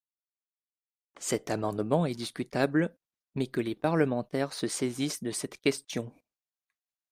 Cet amendement est discutable, mais que les parlementaires se saisissent de cette question